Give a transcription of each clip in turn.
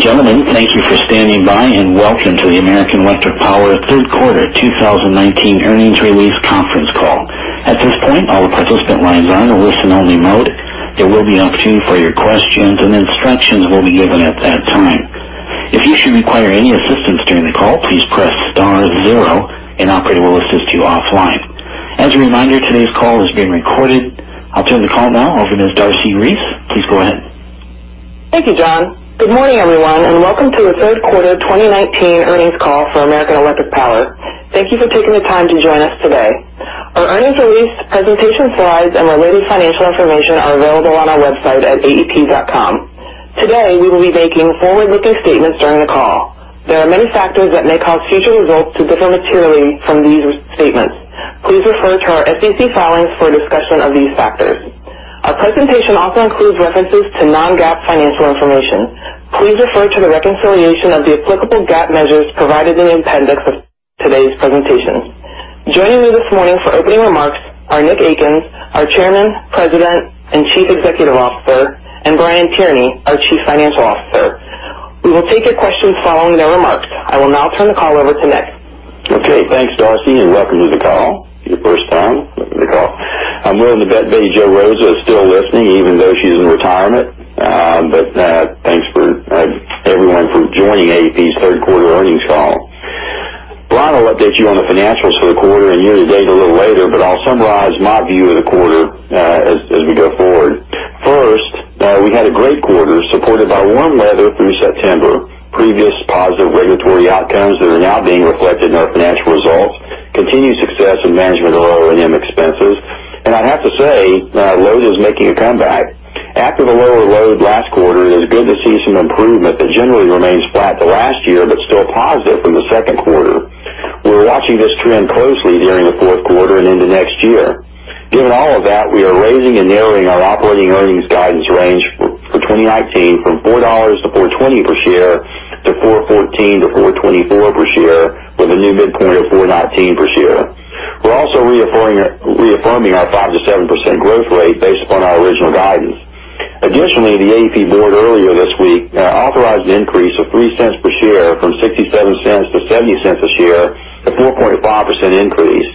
Ladies and gentlemen, thank you for standing by, and welcome to the American Electric Power Third Quarter 2019 Earnings Release Conference Call. At this point, all participant lines are in a listen-only mode. There will be an opportunity for your questions, and instructions will be given at that time. If you should require any assistance during the call, please press star zero, and an operator will assist you offline. As a reminder, today's call is being recorded. I'll turn the call now over to Ms. Darcy Reese. Please go ahead. Thank you, John. Good morning, everyone, and welcome to the third quarter 2019 earnings call for American Electric Power. Thank you for taking the time to join us today. Our earnings release presentation slides and related financial information are available on our website at aep.com. Today, we will be making forward-looking statements during the call. There are many factors that may cause future results to differ materially from these statements. Please refer to our SEC filings for a discussion of these factors. Our presentation also includes references to non-GAAP financial information. Please refer to the reconciliation of the applicable GAAP measures provided in the appendix of today's presentation. Joining me this morning for opening remarks are Nick Akins, our Chairman, President, and Chief Executive Officer, and Brian Tierney, our Chief Financial Officer. We will take your questions following their remarks. I will now turn the call over to Nick. Okay. Thanks, Darcy, welcome to the call. Your first time. Welcome to the call. I'm willing to bet Betty Jo Rosa is still listening even though she's in retirement. Thanks, everyone, for joining AEP's third quarter earnings call. Brian will update you on the financials for the quarter in year-to-date a little later, but I'll summarize my view of the quarter as we go forward. First, we had a great quarter supported by warm weather through September, previous positive regulatory outcomes that are now being reflected in our financial results, continued success in management of O&M expenses. I'd have to say, load is making a comeback. After the lower load last quarter, it is good to see some improvement that generally remains flat to last year but still positive from the second quarter. We're watching this trend closely during the fourth quarter and into next year. Given all of that, we are raising and narrowing our operating earnings guidance range for 2019 from $4-$4.20 per share to $4.14-$4.24 per share with a new midpoint of $4.19 per share. We're also reaffirming our 5%-7% growth rate based upon our original guidance. Additionally, the AEP board earlier this week authorized an increase of $0.03 per share from $0.67-$0.70 a share, a 4.5% increase.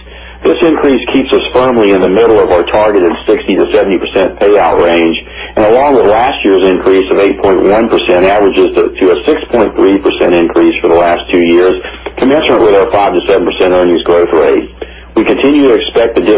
This increase keeps us firmly in the middle of our targeted 60%-70% payout range, and along with last year's increase of 8.1%, averages to a 6.3% increase for the last two years, commensurate with our 5%-7% earnings growth rate. Let's step into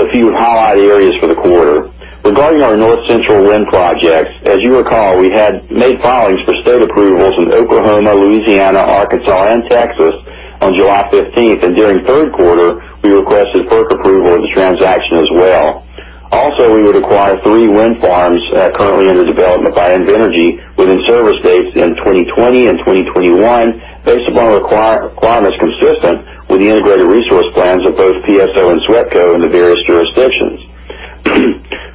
a few highlight areas for the quarter. Regarding our North Central Wind projects, as you recall, we had made filings for state approvals in Oklahoma, Louisiana, Arkansas, and Texas on July 15th. During third quarter, we requested FERC approval of the transaction as well. Also, we would acquire three wind farms currently under development by Invenergy with in-service dates in 2020 and 2021 based upon requirements consistent with the integrated resource plans of both PSO and SWEPCO in the various jurisdictions.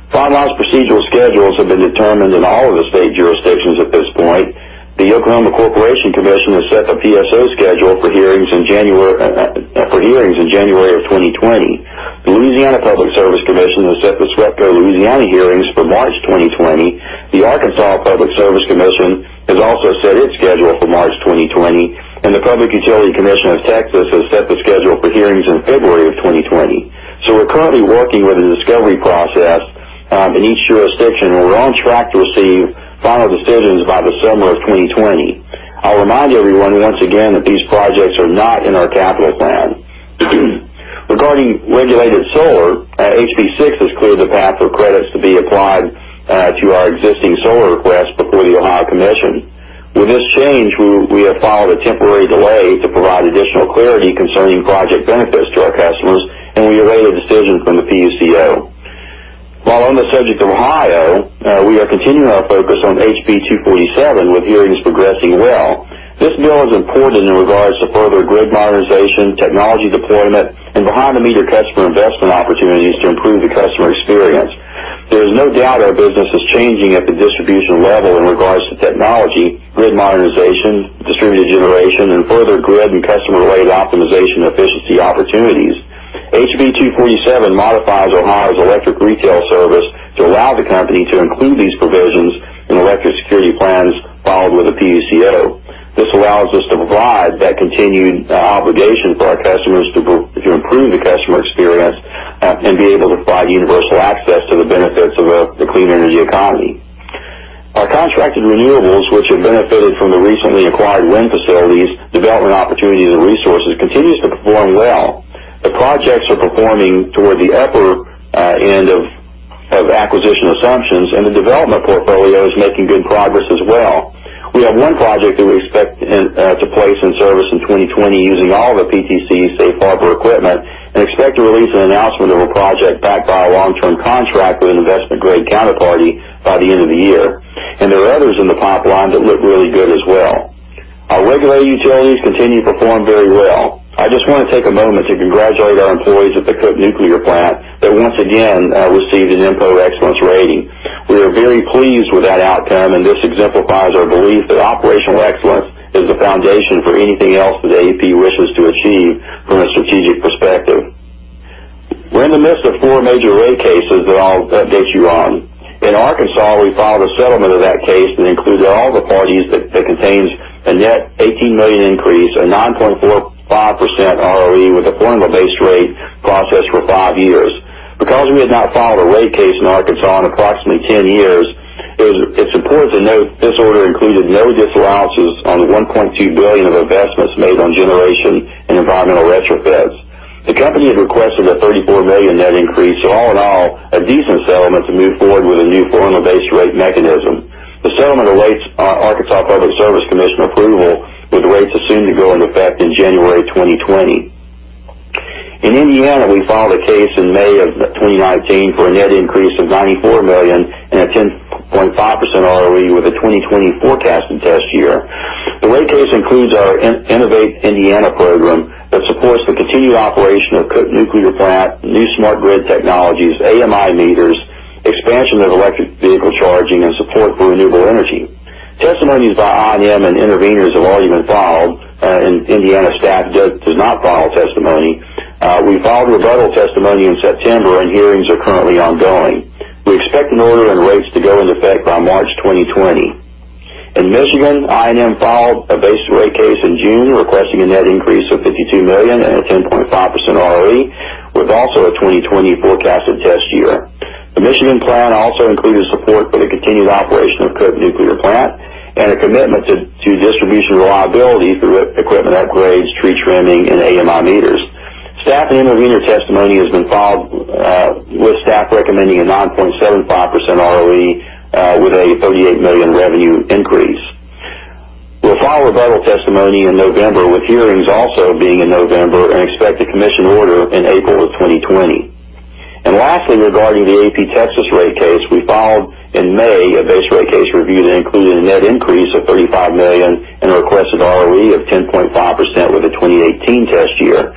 Finalized procedural schedules have been determined in all of the state jurisdictions at this point. The Oklahoma Corporation Commission has set the PSO schedule for hearings in January of 2020. The Louisiana Public Service Commission has set the SWEPCO Louisiana hearings for March 2020. The Arkansas Public Service Commission has also set its schedule for March 2020, and the Public Utility Commission of Texas has set the schedule for hearings in February of 2020. We're currently working with the discovery process in each jurisdiction, and we're on track to receive final decisions by the summer of 2020. I'll remind everyone once again that these projects are not in our capital plan. Regarding regulated solar, HB6 has cleared the path for credits to be applied to our existing solar requests before the Ohio Commission. With this change, we have filed a temporary delay to provide additional clarity concerning project benefits to our customers, and we await a decision from the PUCO. While on the subject of Ohio, we are continuing our focus on HB 247 with hearings progressing well. This bill is important in regards to further grid modernization, technology deployment, and behind-the-meter customer investment opportunities to improve the customer experience. There is no doubt our business is changing at the distribution level in regards to technology, grid modernization, distributed generation, and further grid and customer-related optimization efficiency opportunities. HB 247 modifies Ohio's electric retail service to allow the company to include these provisions in electric security plans filed with the PUCO. This allows us to provide that continued obligation for our customers to improve the customer experience and be able to provide universal access to the benefits of the clean energy economy. Our contracted renewables, which have benefited from the recently acquired wind facilities, development opportunities, and resources, continues to perform well. The projects are performing toward the upper end of acquisition assumptions, and the development portfolio is making good progress as well. We have one project that we expect to place in service in 2020 using all the PTC safe harbor equipment and expect to release an announcement of a project backed by a long-term contract with an investment-grade counterparty by the end of the year. There are others in the pipeline that look really good as well. Our regulated utilities continue to perform very well. I just want to take a moment to congratulate our employees at the Cook Nuclear Plant that once again received an INPO excellence rating. We are very pleased with that outcome, and this exemplifies our belief that operational excellence is the foundation for anything else that AEP wishes to achieve from a strategic perspective. We're in the midst of four major rate cases that I'll update you on. In Arkansas, we filed a settlement of that case that included all the parties that contains a net $18 million increase, a 9.45% ROE with a formula-based rate process for five years. We had not filed a rate case in Arkansas in approximately 10 years, it's important to note this order included no disallowances on the $1.2 billion of investments made on generation and environmental retrofits. The company had requested a $34 million net increase. All in all, a decent settlement to move forward with a new formula-based rate mechanism. The settlement awaits Arkansas Public Service Commission approval, with rates assumed to go into effect in January 2020. In Indiana, we filed a case in May of 2019 for a net increase of $94 million and a 10.5% ROE with a 2020 forecasted test year. The rate case includes our Innovate Indiana program that supports the continued operation of Cook Nuclear Plant, new smart grid technologies, AMI meters, expansion of electric vehicle charging, and support for renewable energy. Testimonies by I&M and interveners have already been filed. Indiana staff does not file testimony. We filed rebuttal testimony in September, and hearings are currently ongoing. We expect an order on rates to go into effect by March 2020. In Michigan, I&M filed a base rate case in June, requesting a net increase of $52 million and a 10.5% ROE, with also a 2020 forecasted test year. The Michigan plan also included support for the continued operation of Cook Nuclear Plant and a commitment to distribution reliability through equipment upgrades, tree trimming, and AMI meters. Staff and intervener testimony has been filed, with staff recommending a 9.75% ROE with a $38 million revenue increase. We'll file rebuttal testimony in November, with hearings also being in November, and expect a commission order in April of 2020. Lastly, regarding the AEP Texas rate case, we filed in May a base rate case review that included a net increase of $35 million and a requested ROE of 10.5% with a 2018 test year.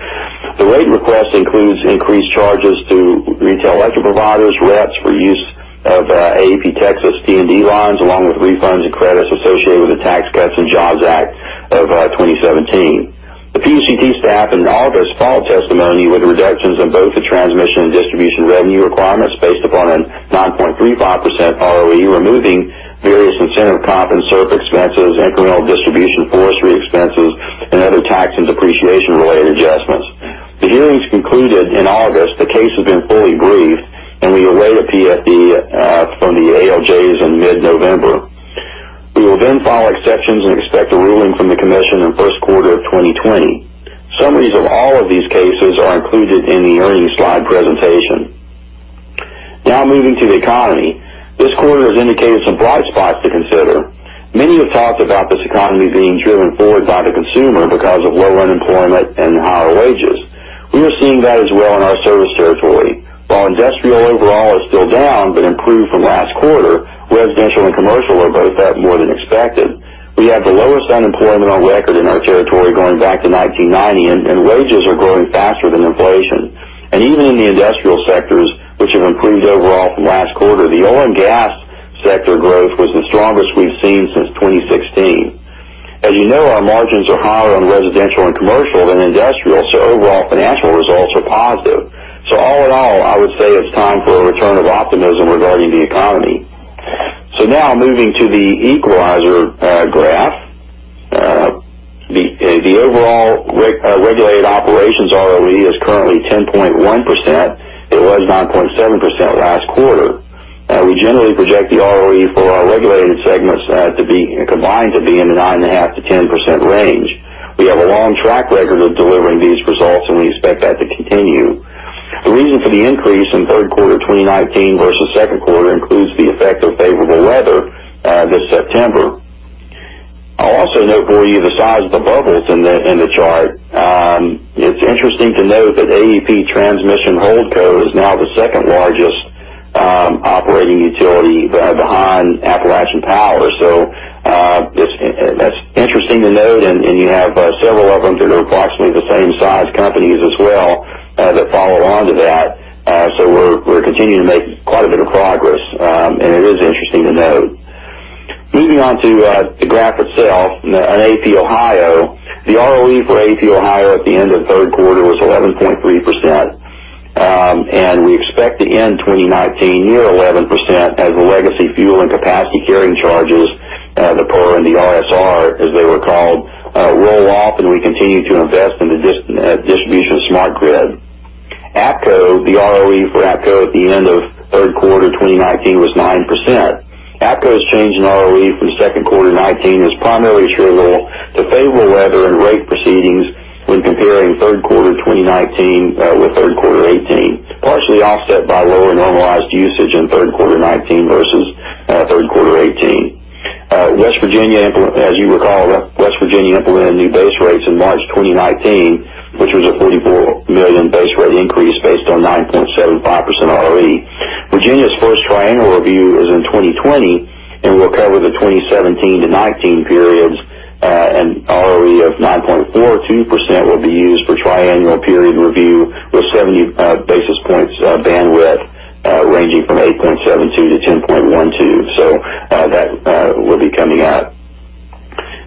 The rate request includes increased charges to retail electric providers, REPs, for use of AEP Texas T&D lines, along with refunds and credits associated with the Tax Cuts and Jobs Act of 2017. The PUCT staff in August filed testimony with reductions in both the transmission and distribution revenue requirements based upon a 9.35% ROE, removing various incentive comp and surf expenses, incremental distribution forestry expenses, and other tax and depreciation-related adjustments. The hearings concluded in August. The case has been fully briefed, and we await a PFD from the ALJs in mid-November. We will file exceptions and expect a ruling from the commission in first quarter of 2020. Summaries of all of these cases are included in the earnings slide presentation. Moving to the economy. This quarter has indicated some bright spots to consider. Many have talked about this economy being driven forward by the consumer because of low unemployment and higher wages. We are seeing that as well in our service territory. While industrial overall is still down but improved from last quarter, residential and commercial are both up more than expected. We have the lowest unemployment on record in our territory going back to 1990, and wages are growing faster than inflation. Even in the industrial sectors, which have improved overall from last quarter, the oil and gas sector growth was the strongest we've seen since 2016. As you know, our margins are higher on residential and commercial than industrial, so overall financial results are positive. All in all, I would say it's time for a return of optimism regarding the economy. Now moving to the equalizer graph. The overall regulated operations ROE is currently 10.1%. It was 9.7% last quarter. We generally project the ROE for our regulated segments to be combined to be in the nine and a half to 10% range. We have a long track record of delivering these results, and we expect that to continue. The reason for the increase in third quarter 2019 versus second quarter includes the effect of favorable weather this September. I'll also note for you the size of the bubbles in the chart. It's interesting to note that AEP Transmission Holdco is now the second-largest operating utility behind Appalachian Power. That's interesting to note, and you have several of them that are approximately the same size companies as well that follow on to that. We're continuing to make quite a bit of progress, and it is interesting to note. Moving on to the graph itself on AEP Ohio. The ROE for AEP Ohio at the end of third quarter was 11.3%, and we expect to end 2019 near 11% as the legacy fuel and capacity carrying charges, the POR and the RSR, as they were called, roll off and we continue to invest in the distribution of smart grid. APCo, the ROE for APCo at the end of third quarter 2019 was 9%. APCo's change in ROE from second quarter 2019 is primarily attributable to favorable weather and rate proceedings when comparing third quarter 2019 with third quarter 2018, partially offset by lower normalized usage in third quarter 2019 versus third quarter 2018. West Virginia, as you recall, West Virginia implemented new base rates in March 2019, which was a $44 million base rate increase based on 9.75% ROE. Virginia's first triannual review is in 2020 and will cover the 2017-2019 periods. An ROE of 9.42% will be used for tri-annual period review with 70 basis points bandwidth ranging from 8.72%-10.12%. That will be coming up.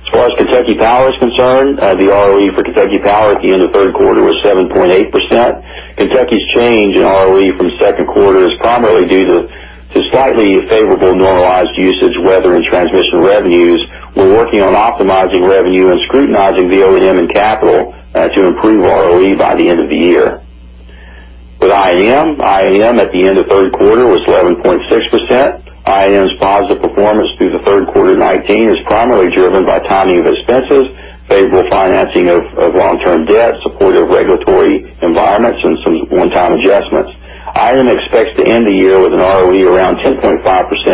As far as Kentucky Power is concerned, the ROE for Kentucky Power at the end of the third quarter was 7.8%. Kentucky's change in ROE from second quarter is primarily due to slightly favorable normalized usage, weather, and transmission revenues. We're working on optimizing revenue and scrutinizing the O&M and capital to improve ROE by the end of the year. With I&M at the end of third quarter was 11.6%. I&M's positive performance through the third quarter 2019 is primarily driven by timing of expenses, favorable financing of long-term debt, supportive regulatory environments, and some one-time adjustments. I&M expects to end the year with an ROE around 10.5%,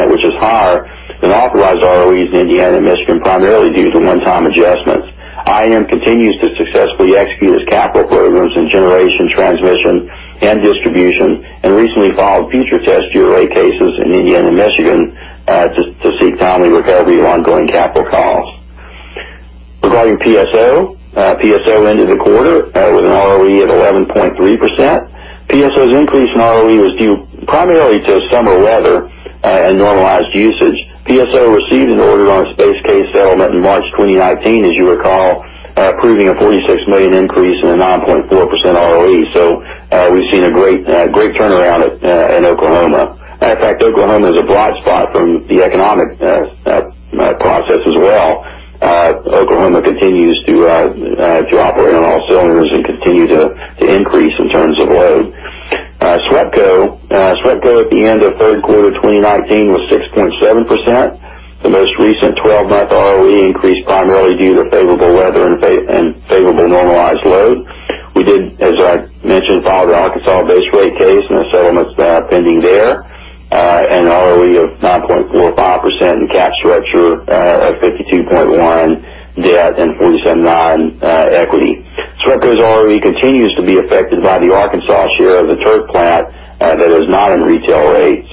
which is higher than authorized ROEs in Indiana and Michigan, primarily due to one-time adjustments. I&M continues to successfully execute its capital programs in generation, transmission, and distribution, and recently filed future test URA cases in Indiana and Michigan to seek timely recovery of ongoing capital costs. Regarding PSO. PSO ended the quarter with an ROE of 11.3%. PSO's increase in ROE was due primarily to summer weather and normalized usage. PSO received an order on its base case settlement in March 2019, as you recall, approving a $46 million increase in a 9.4% ROE. We've seen a great turnaround in Oklahoma. Matter of fact, Oklahoma is a bright spot from the economic process as well. Oklahoma continues to operate on all cylinders and continue to increase in terms of load. SWEPCO. SWEPCO at the end of third quarter 2019 was 6.7%, the most recent 12-month ROE increase, primarily due to favorable weather and favorable normalized load. We did, as I mentioned, file the Arkansas base rate case, and the settlement's pending there, and an ROE of 9.45% and cap structure of 52.1 debt and 47.9 equity. SWEPCO's ROE continues to be affected by the Arkansas share of the Turk plant that is not in retail rates.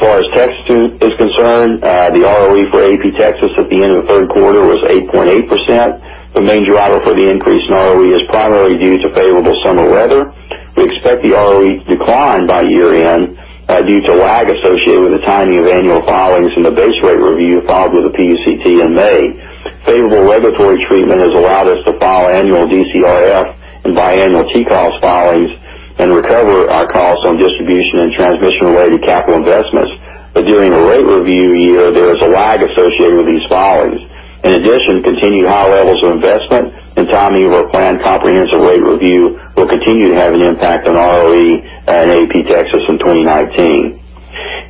As far as Texas is concerned, the ROE for AEP Texas at the end of the third quarter was 8.8%. The main driver for the increase in ROE is primarily due to favorable summer weather. We expect the ROE to decline by year-end due to lag associated with the timing of annual filings and the base rate review filed with the PUCT in May. Favorable regulatory treatment has allowed us to file annual DCRF and biannual TCOS filings and recover our costs on distribution and transmission-related capital investments. During a rate review year, there is a lag associated with these filings. In addition, continued high levels of investment and timing of our planned comprehensive rate review will continue to have an impact on ROE at AEP Texas in 2019.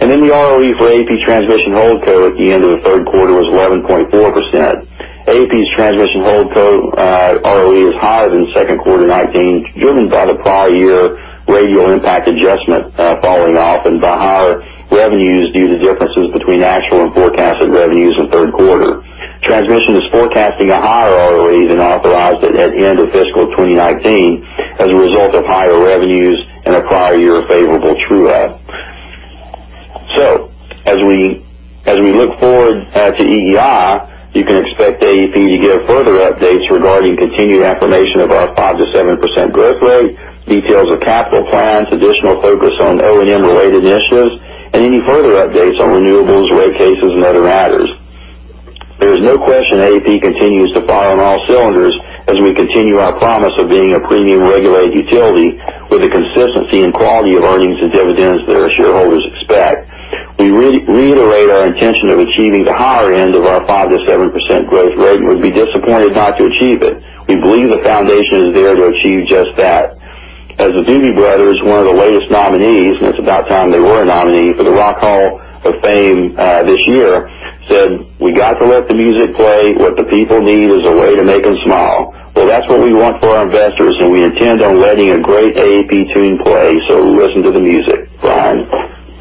The ROE for AEP Transmission Holdco at the end of the third quarter was 11.4%. AEP's Transmission Holdco ROE is higher than second quarter 2019, driven by the prior year radial impact adjustment falling off and by higher revenues due to differences between actual and forecasted revenues in the third quarter. Transmission is forecasting a higher ROE than authorized at the end of fiscal 2019 as a result of higher revenues and a prior year favorable true-up. As we look forward to EEI, you can expect AEP to give further updates regarding continued affirmation of our 5%-7% growth rate, details of capital plans, additional focus on O&M-related initiatives, and any further updates on renewables, rate cases, and other matters. There is no question AEP continues to fire on all cylinders as we continue our promise of being a premium-regulated utility with the consistency and quality of earnings and dividends that our shareholders expect. We reiterate our intention of achieving the higher end of our 5% to 7% growth rate and would be disappointed not to achieve it. We believe the foundation is there to achieve just that. As The Doobie Brothers, one of the latest nominees, and it's about time they were a nominee for the Rock and Roll Hall of Fame this year, said, "We got to let the music play. What the people need is a way to make them smile." Well, that's what we want for our investors, and we intend on letting a great AEP tune play. Listen to the music. Brian?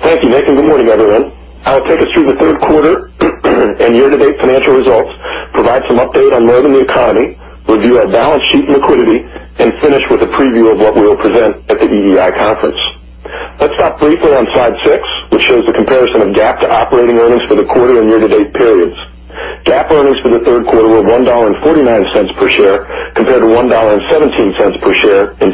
Thank you, Nick, and good morning, everyone. I'll take us through the third quarter and year-to-date financial results, provide some update on load and the economy, review our balance sheet and liquidity, and finish with a preview of what we will present at the EEI Conference. Let's stop briefly on slide six, which shows the comparison of GAAP to operating earnings for the quarter and year-to-date periods. GAAP earnings for the third quarter were $1.49 per share, compared to $1.17 per share in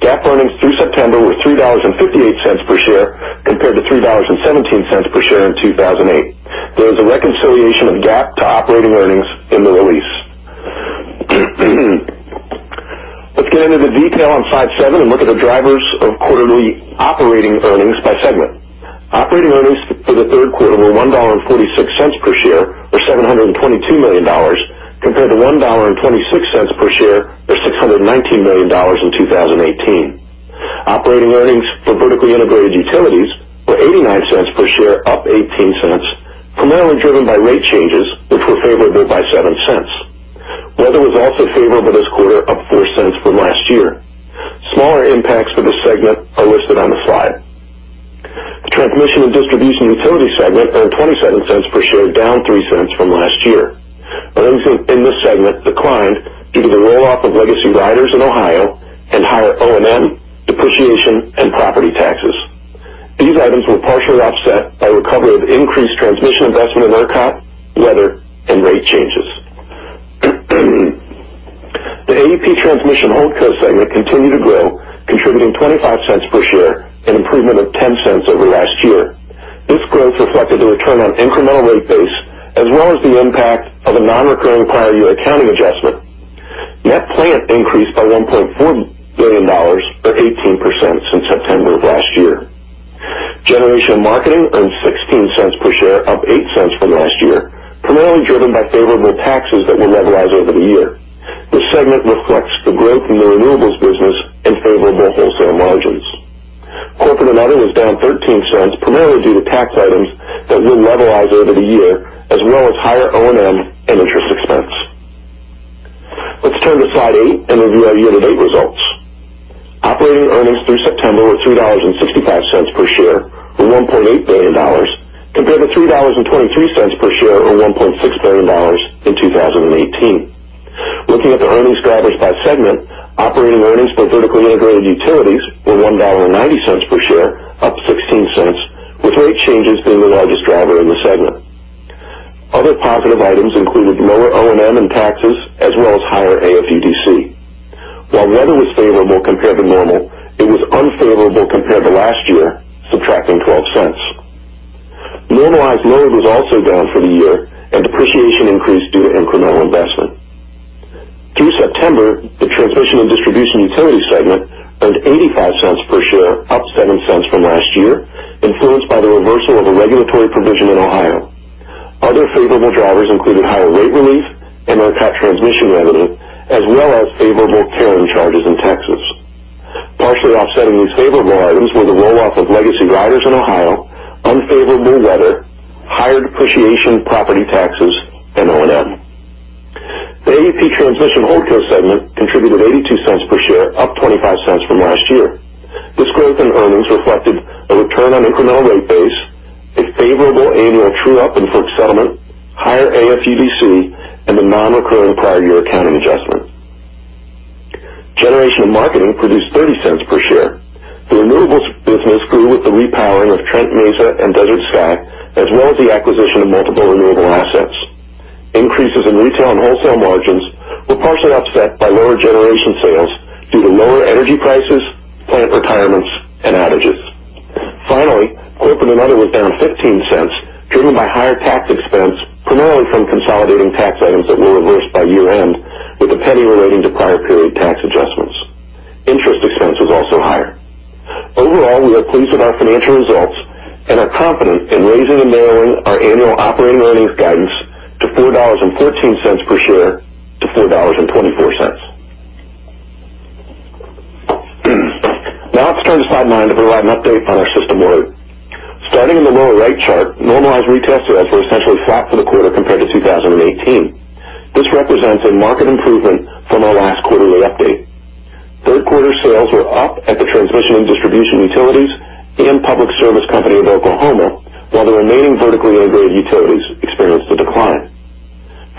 2018. GAAP earnings through September were $3.58 per share, compared to $3.17 per share in 2008. There is a reconciliation of GAAP to operating earnings in the release. Let's get into the detail on slide seven and look at the drivers of quarterly operating earnings by segment. Operating earnings for the third quarter were $1.46 per share or $722 million, compared to $1.26 per share or $619 million in 2018. Operating earnings for vertically integrated utilities were $0.89 per share, up $0.18, primarily driven by rate changes, which were favorable by $0.07. Weather was also favorable this quarter, up $0.04 from last year. Smaller impacts for the segment are listed on the slide. The transmission and distribution utility segment earned $0.27 per share, down $0.03 from last year. Earnings in this segment declined due to the roll-off of legacy riders in Ohio and higher O&M, depreciation, and property tax. Partially offset by recovery of increased transmission investment in ERCOT, weather, and rate changes. The AEP Transmission Holdco segment continued to grow, contributing $0.25 per share, an improvement of $0.10 over last year. This growth reflected the return on incremental rate base, as well as the impact of a non-recurring prior year accounting adjustment. Net plant increased by $1.4 billion, or 18%, since September of last year. Generation and marketing earned $0.16 per share, up $0.08 from last year, primarily driven by favorable taxes that will levelize over the year. This segment reflects the growth in the renewables business and favorable wholesale margins. Corporate and other was down $0.13, primarily due to tax items that will levelize over the year, as well as higher O&M and interest expense. Let's turn to slide eight and review our year-to-date results. Operating earnings through September were $3.65 per share, or $1.8 billion, compared to $3.23 per share, or $1.6 billion in 2018. Looking at the earnings drivers by segment, operating earnings for vertically integrated utilities were $1.90 per share, up $0.16, with rate changes being the largest driver in the segment. Other positive items included lower O&M and taxes, as well as higher AFUDC. While weather was favorable compared to normal, it was unfavorable compared to last year, subtracting $0.12. Normalized load was also down for the year, and depreciation increased due to incremental investment. Through September, the transmission and distribution utility segment earned $0.85 per share, up $0.07 from last year, influenced by the reversal of a regulatory provision in Ohio. Other favorable drivers included higher rate relief and ERCOT transmission revenue, as well as favorable [CARIN] charges in Texas. Partially offsetting these favorable items were the roll-off of legacy riders in Ohio, unfavorable weather, higher depreciation, property taxes, and O&M. The AEP Transmission Holdco segment contributed $0.82 per share, up $0.25 from last year. This growth in earnings reflected a return on incremental rate base, a favorable annual true-up in FERC settlement, higher AFUDC, and the non-recurring prior year accounting adjustment. Generation and Marketing produced $0.30 per share. The renewables business grew with the repowering of Trent Mesa and Desert Sky, as well as the acquisition of multiple renewable assets. Increases in retail and wholesale margins were partially offset by lower generation sales due to lower energy prices, plant retirements, and outages. Finally, Corporate and Other was down $0.15, driven by higher tax expense, primarily from consolidating tax items that were reversed by year-end with $0.01 relating to prior period tax adjustments. Interest expense was also higher. Overall, we are pleased with our financial results and are confident in raising and narrowing our annual operating earnings guidance to $4.14 per share to $4.24. Let's turn to slide nine to provide an update on our system load. Starting in the lower right chart, normalized retail sales were essentially flat for the quarter compared to 2018. This represents a market improvement from our last quarterly update. Third-quarter sales were up at the transmission and distribution utilities and Public Service Company of Oklahoma, while the remaining vertically integrated utilities experienced a decline.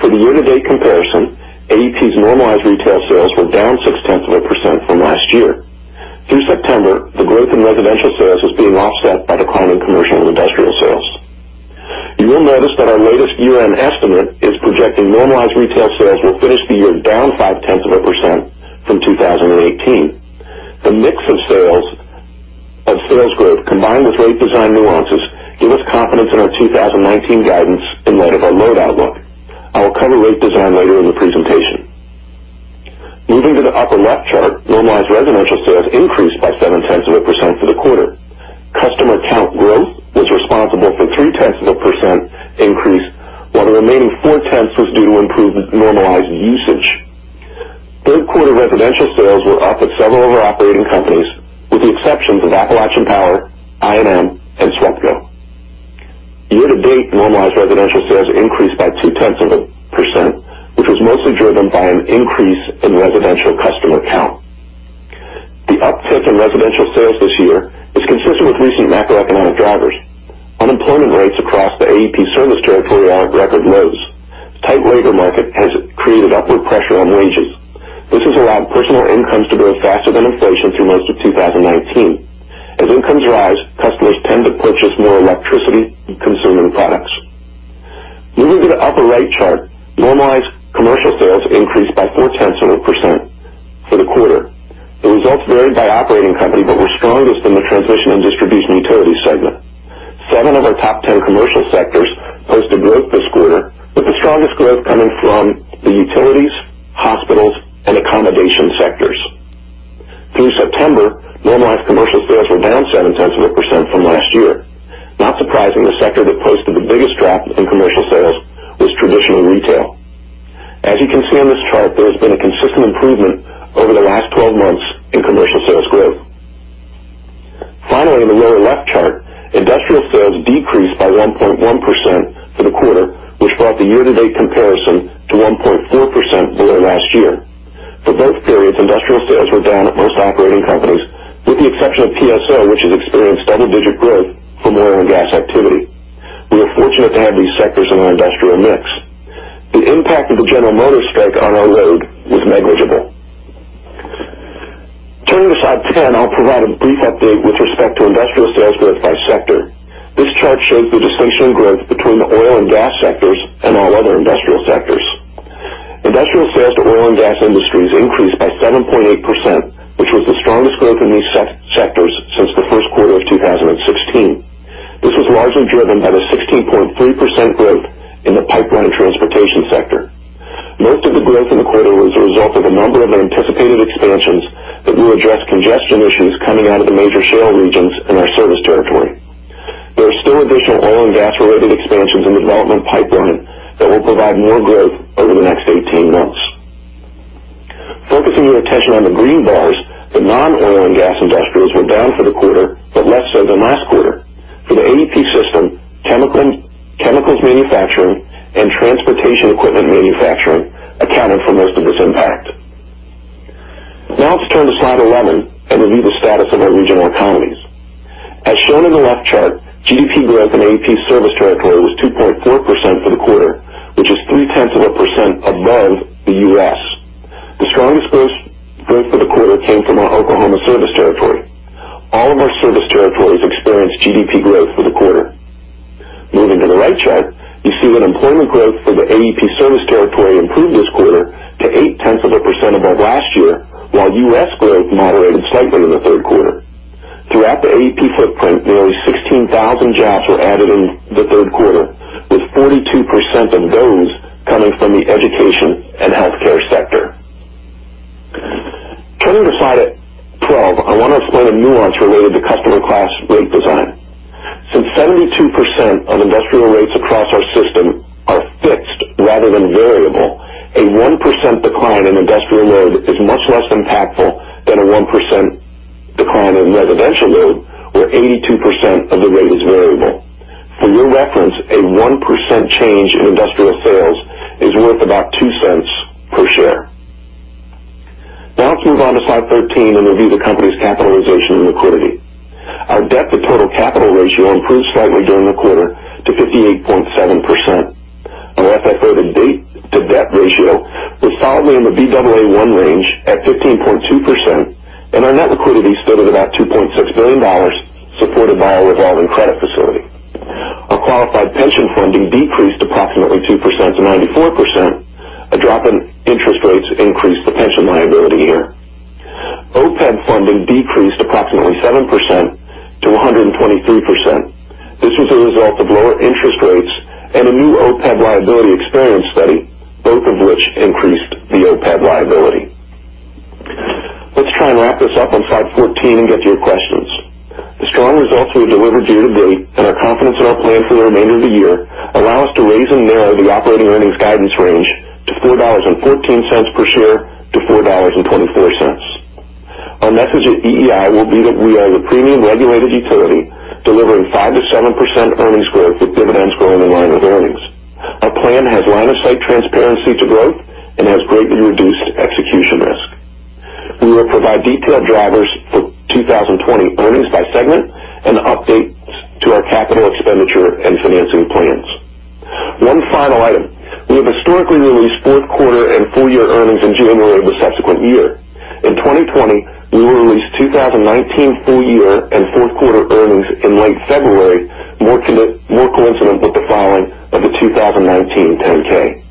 For the year-to-date comparison, AEP's normalized retail sales were down 0.6% from last year. Through September, the growth in residential sales was being offset by declining commercial and industrial sales. You will notice that our latest year-end estimate is projecting normalized retail sales will finish the year down 0.5% from 2018. The mix of sales growth, combined with rate design nuances, give us confidence in our 2019 guidance in light of our load outlook. I will cover rate design later in the presentation. Moving to the upper-left chart, normalized residential sales increased by 0.7% for the quarter. Customer count growth was responsible for 0.3% increase, while the remaining 0.4% was due to improved normalized usage. Third-quarter residential sales were up at several of our operating companies, with the exceptions of Appalachian Power, I&M, and SWEPCO. Year-to-date, normalized residential sales increased by 0.2%, which was mostly driven by an increase in residential customer count. The uptick in residential sales this year is consistent with recent macroeconomic drivers. Unemployment rates across the AEP service territory are at record lows. Tight labor market has created upward pressure on wages. This has allowed personal incomes to grow faster than inflation through most of 2019. As incomes rise, customers tend to purchase more electricity-consuming products. Moving to the upper-right chart, normalized commercial sales increased by four-tenths of a % for the quarter. The results varied by operating company but were strongest in the transmission and distribution utility segment. Seven of our top 10 commercial sectors posted growth this quarter, with the strongest growth coming from the utilities, hospitals, and accommodation sectors. Through September, normalized commercial sales were down seven-tenths of a % from last year. Not surprising, the sector that posted the biggest drop in commercial sales was traditional retail. As you can see on this chart, there has been a consistent improvement over the last 12 months in commercial sales growth. Finally, in the lower-left chart, industrial sales decreased by 1.1% for the quarter, which brought the year-to-date comparison to 1.4% below last year. For both periods, industrial sales were down at most operating companies, with the exception of PSO, which has experienced double-digit growth from oil and gas activity. We are fortunate to have these sectors in our industrial mix. The impact of the General Motors strike on our load was negligible. Turning to slide 10, I'll provide a brief update with respect to industrial sales growth by sector. This chart shows the distinction in growth between the oil and gas sectors and all other industrial sectors. Industrial sales to oil and gas industries increased by 7.8%, which was the strongest growth in these sectors since the first quarter of 2016. This was largely driven by the 16.3% growth in the pipeline and transportation sector. Most of the growth in the quarter was a result of a number of anticipated expansions that will address congestion issues coming out of the major shale regions in our service territory. There are still additional oil and gas-related expansions in development pipeline that will provide more growth over the next 18 months. Focusing your attention on the green bars, the non-oil and gas industrials were down for the quarter, but less so than last quarter. For the AEP system, chemicals manufacturing and transportation equipment manufacturing accounted for most of this impact. Now let's turn to slide 11 and review the status of our regional economies. As shown in the left chart, GDP growth in AEP's service territory was 2.4% for the quarter, which is three-tenths of a percent above the U.S. The strongest growth for the quarter came from our Oklahoma service territory. All of our service territories experienced GDP growth for the quarter. Moving to the right chart, you see that employment growth for the AEP service territory improved this quarter to eight-tenths of a percent above last year, while U.S. growth moderated slightly in the third quarter. Throughout the AEP footprint, nearly 16,000 jobs were added in the third quarter, with 42% of those coming from the education and healthcare sector. Turning to slide 12, I want to explain a nuance related to customer class rate design. Since 72% of industrial rates across our system are fixed rather than variable, a 1% decline in industrial load is much less impactful than a 1% decline in residential load, where 82% of the rate is variable. For your reference, a 1% change in industrial sales is worth about $0.02 per share. Now let's move on to slide 13 and review the company's capitalization and liquidity. Our debt-to-total capital ratio improved slightly during the quarter to 58.7%. Our FFO-to-debt ratio was solidly in the Baa1 range at 15.2%, and our net liquidity stood at about $2.6 billion, supported by our revolving credit facility. Our qualified pension funding decreased approximately 2% to 94%. A drop in interest rates increased the pension liability here. OPEB funding decreased approximately 7% to 123%. This was a result of lower interest rates and a new OPEB liability experience study, both of which increased the OPEB liability. Let's try and wrap this up on slide 14 and get to your questions. The strong results we've delivered year-to-date and our confidence in our plan for the remainder of the year allow us to raise and narrow the operating earnings guidance range to $4.14 per share to $4.24. Our message at EEI will be that we are the premium regulated utility delivering 5%-7% earnings growth with dividends growing in line with earnings. Our plan has line-of-sight transparency to growth and has greatly reduced execution risk. We will provide detailed drivers for 2020 earnings by segment and updates to our capital expenditure and financing plans. One final item. We have historically released fourth quarter and full-year earnings in January of the subsequent year. In 2020, we will release 2019 full-year and fourth quarter earnings in late February, more coincident with the filing of the 2019 10-K.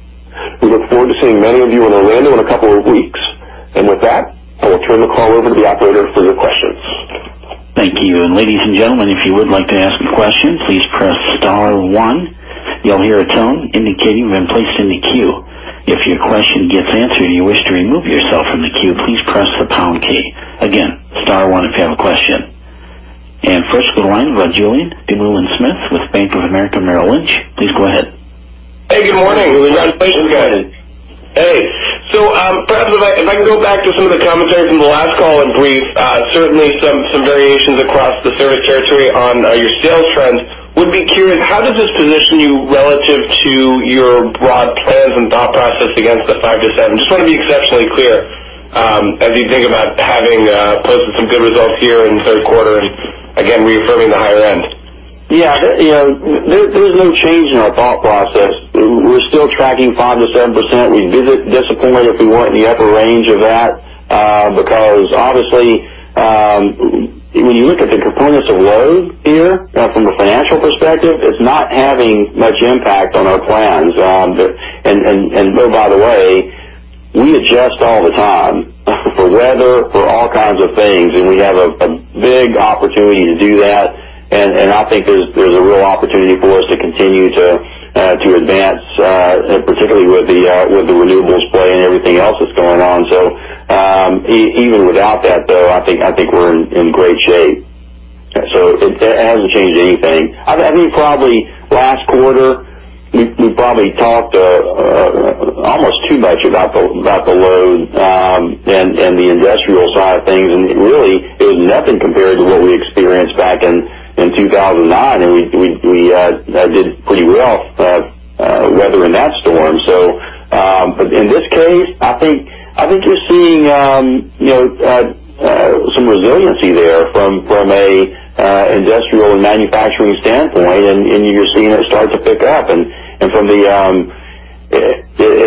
We look forward to seeing many of you in Orlando in a couple of weeks. With that, I will turn the call over to the operator for your questions. Thank you. Ladies and gentlemen, if you would like to ask a question, please press star 1. You'll hear a tone indicating you've been placed in the queue. If your question gets answered and you wish to remove yourself from the queue, please press the pound key. Again, star 1 if you have a question. First to the line, we've got Julien Dumoulin-Smith with Bank of America Merrill Lynch. Please go ahead. Hey, good morning. Good morning. Congratulations, guys. Hey, perhaps if I can go back to some of the commentary from the last call and brief certainly some variations across the service territory on your sales trends. Would be curious, how does this position you relative to your broad plans and thought process against the 5%-7%? I just want to be exceptionally clear as you think about having posted some good results here in the third quarter and again, reaffirming the higher end. Yeah. There was no change in our thought process. We're still tracking 5%-7%. We'd be disappointed if we weren't in the upper range of that because obviously, when you look at the components of load here from a financial perspective, it's not having much impact on our plans. By the way, we adjust all the time for weather, for all kinds of things, and we have a big opportunity to do that, and I think there's a real opportunity for us to continue to advance, particularly with the renewables play and everything else that's going on. Even without that, though, I think we're in great shape. It hasn't changed anything. I think probably last quarter, we probably talked almost too much about the load and the industrial side of things, and really it was nothing compared to what we experienced back in 2009, and we did pretty well weather in that storm. In this case, I think you're seeing some resiliency there from a industrial and manufacturing standpoint, and you're seeing it start to pick up.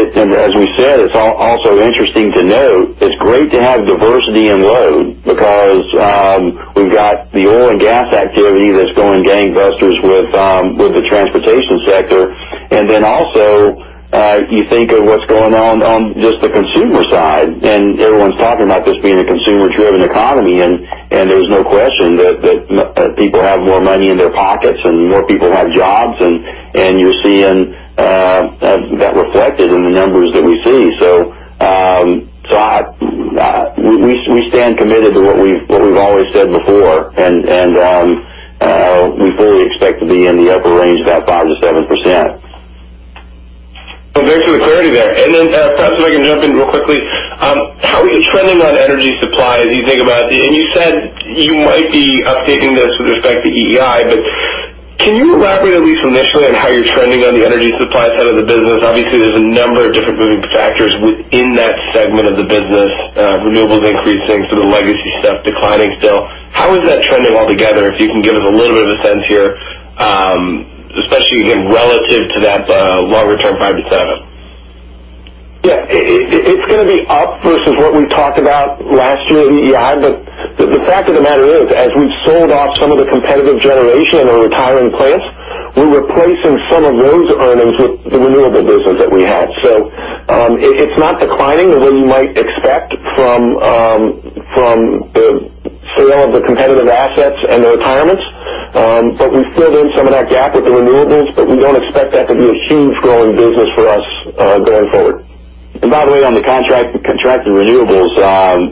As we said, it's also interesting to note, it's great to have diversity in load because we've got the oil and gas activity that's going gangbusters with the transportation sector. Also, you think of what's going on just the consumer side, and everyone's talking about this being a consumer-driven economy, and there's no question that people have more money in their pockets and more people have jobs, and you're seeing that reflected in the numbers that we see. We stand committed to what we've always said before, and we fully expect to be in the upper range, about 5%-7%. Thanks for the clarity there. Pat, I can jump in real quickly. How are you trending on energy supply as you think about it? You said you might be updating this with respect to EEI, but can you elaborate, at least initially, on how you're trending on the energy supply side of the business? Obviously, there's a number of different moving factors within that segment of the business. Renewables increasing, sort of legacy stuff declining still. How is that trending altogether, if you can give us a little bit of a sense here, especially again, relative to that longer-term 5%-7%? Yeah. The fact of the matter is, as we've sold off some of the competitive generation and the retiring plants, we're replacing some of those earnings with the renewable business that we have. It's not declining the way you might expect from the sale of the competitive assets and the retirements. We filled in some of that gap with the renewables, but we don't expect that to be a huge growing business for us going forward. By the way, on the contracted renewables,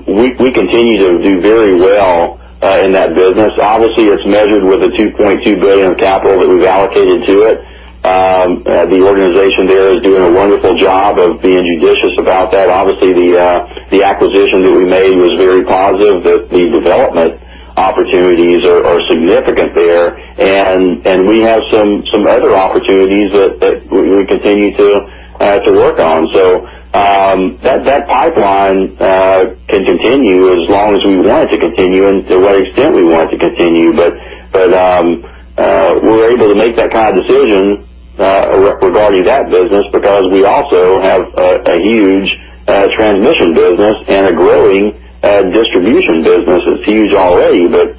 we continue to do very well in that business. Obviously, it's measured with the $2.2 billion of capital that we've allocated to it. The organization there is doing a wonderful job of being judicious about that. Obviously, the acquisition that we made was very positive. The development opportunities are significant there, and we have some other opportunities that we continue to work on. That pipeline can continue as long as we want it to continue and to what extent we want it to continue. We're able to make that kind of decision regarding that business because we also have a huge transmission business and a growing distribution business. It's huge already, but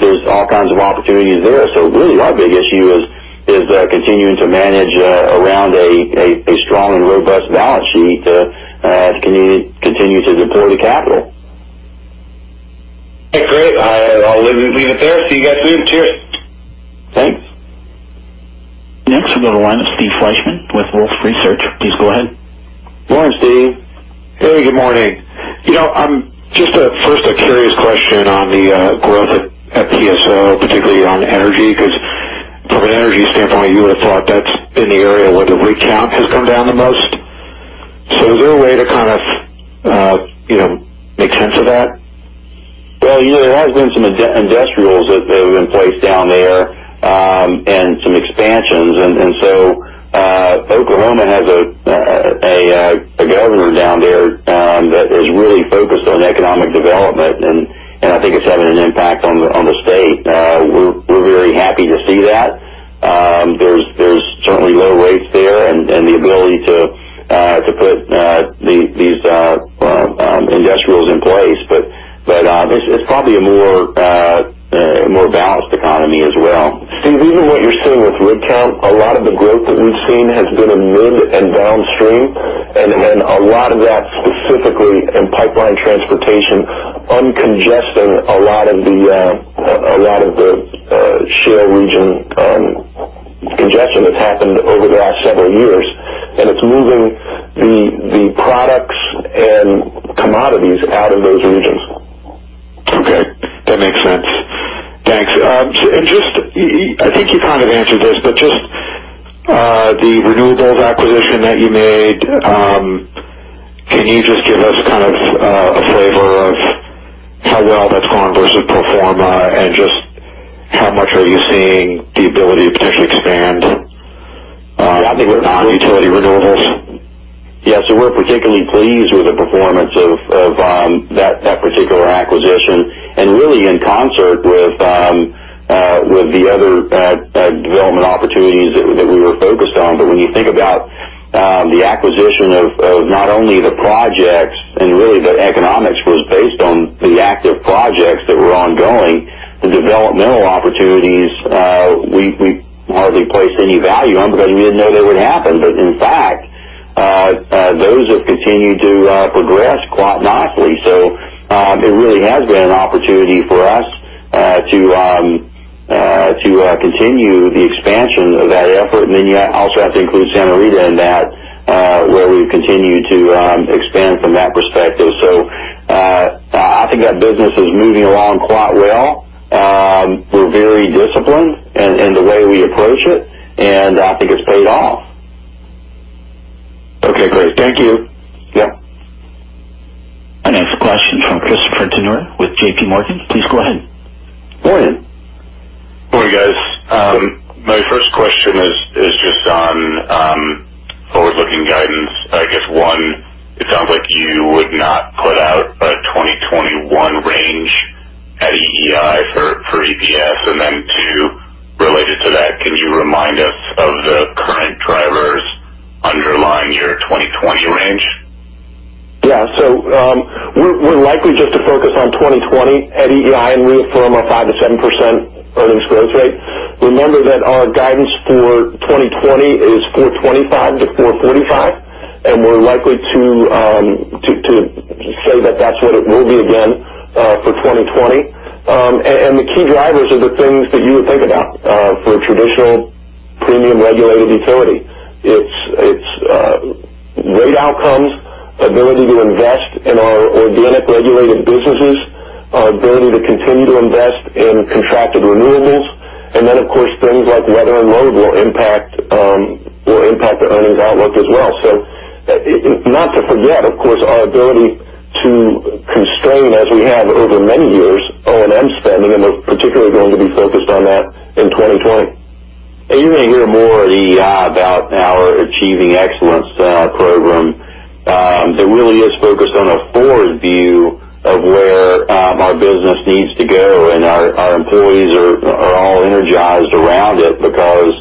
there's all kinds of opportunities there. Really our big issue is continuing to manage around a strong and robust balance sheet to continue to deploy the capital. Great. I'll leave it there. See you guys soon. Cheers. Thanks. Next we go to the line of Steve Fleishman with Wolfe Research. Please go ahead. Morning, Steve. Hey, good morning. Just first a curious question on the growth at PSO, particularly on energy, because from an energy standpoint, you would've thought that's been the area where the rig count has come down the most. Is there a way to kind of make sense of that? Well, there have been some industrials that have been placed down there and some expansions. Oklahoma has a governor down there that is really focused on economic development, and I think it's having an impact on the state. We're very happy to see that. There's certainly low rates there and the ability to put these industrials in place. It's probably a more balanced economy as well. Steve, even what you're seeing with rig count, a lot of the growth that we've seen has been in mid and downstream, a lot of that specifically in pipeline transportation, uncongesting a lot of the shale region congestion that's happened over the last several years, it's moving the products and commodities out of those regions. Okay. That makes sense. Thanks. I think you kind of answered this, but just the renewables acquisition that you made, can you just give us kind of a flavor of how well that's gone versus pro forma, and just how much are you seeing the ability to potentially expand? Yeah, I think. Non-utility renewables? Yeah. We're particularly pleased with the performance of that particular acquisition and really in concert with the other development opportunities that we were focused on. When you think about the acquisition of not only the projects and really the economics was based on the active projects that were ongoing. The developmental opportunities we hardly placed any value on because we didn't know they would happen. In fact, those have continued to progress quite nicely. It really has been an opportunity for us to continue the expansion of that effort. Then you also have to include Santa Rita in that where we've continued to expand from that perspective. I think that business is moving along quite well. We're very disciplined in the way we approach it, and I think it's paid off. Okay, great. Thank you. Yeah. Our next question's from Christopher Turnure with JPMorgan. Please go ahead. Morning. Morning, guys. My first question is just on forward-looking guidance. I guess, one, it sounds like you would not put out a 2021 range at EEI for EPS and then to, related to that, can you remind us of the current drivers underlying your 2020 range? Yeah. We're likely just to focus on 2020 at EEI and reaffirm our 5%-7% earnings growth rate. Remember that our guidance for 2020 is $4.25-$4.45. We're likely to say that that's what it will be again for 2020. The key drivers are the things that you would think about for a traditional premium regulated utility. It's rate outcomes, ability to invest in our organic regulated businesses, our ability to continue to invest in contracted renewables. Of course, things like weather and load will impact the earnings outlook as well. Not to forget, of course, our ability to constrain as we have over many years, O&M spending. We're particularly going to be focused on that in 2020. You're going to hear more at EEI about our Achieving Excellence program. That really is focused on a forward view of where our business needs to go, and our employees are all energized around it because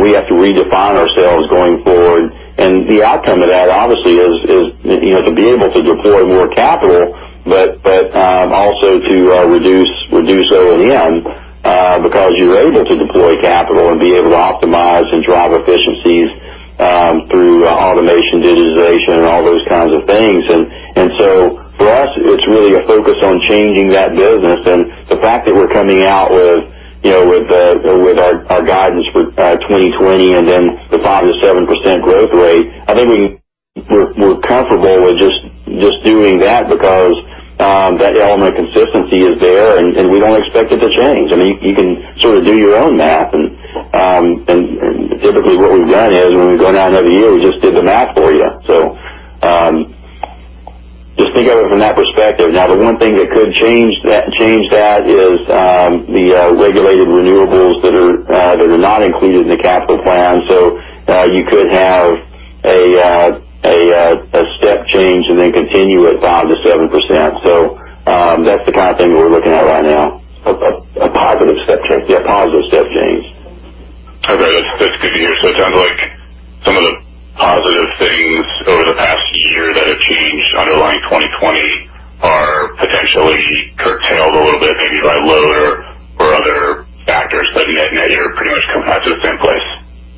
we have to redefine ourselves going forward. The outcome of that obviously is to be able to deploy more capital but also to reduce O&M because you're able to deploy capital and be able to optimize and drive efficiencies through automation, digitization, and all those kinds of things. For us, it's really a focus on changing that business. The fact that we're coming out with our guidance for 2020 and then the 5%-7% growth rate, I think we're comfortable with just doing that because that element of consistency is there, and we don't expect it to change. You can sort of do your own math. Typically what we've done is when we go down every year, we just did the math for you. Just think of it from that perspective. The one thing that could change that is the regulated renewables that are not included in the capital plan. You could have a step change and then continue at 5%-7%. That's the kind of thing that we're looking at right now. A positive step change? Yeah. A positive step change. Okay. That's good to hear. It sounds like some of the positive things over the past year that have changed underlying 2020 are potentially curtailed a little bit, maybe by load or other factors, but net-net, you're pretty much coming out to the same place.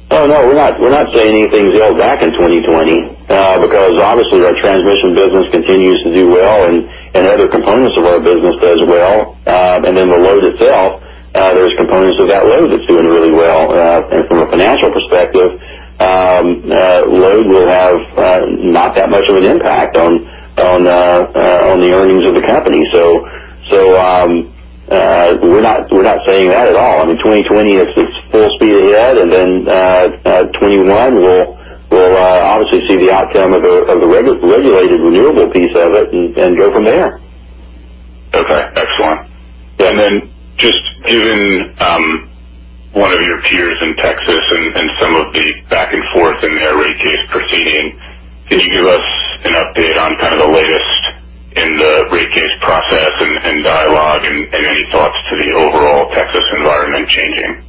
No, we're not saying anything's held back in 2020 because obviously our transmission business continues to do well and other components of our business does well. The load itself, there's components of that load that's doing really well. From a financial perspective, load will have not that much of an impact on the earnings of the company. We're not saying that at all. 2020 is full speed ahead, 2021 we'll obviously see the outcome of the regulated renewable piece of it and go from there. Okay. Excellent. Just given one of your peers in Texas and some of the back and forth in their rate case proceeding, could you give us an update on kind of the latest in the rate case process and dialogue and any thoughts to the overall Texas environment changing?